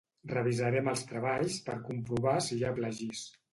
Revisarem els treballs per comprovar si hi ha plagis.